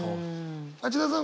町田さん